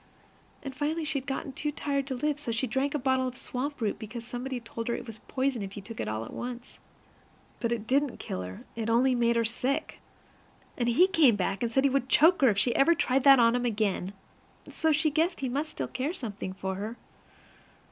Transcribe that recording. And finally she had just got too tired to live, so she drank a bottle of swamp root because somebody had told her it was poison if you took it all at once. But it didn't kill her; it only made her sick. And he came back, and said he would choke her if she ever tried that on him again; so she guessed he must still care something for her.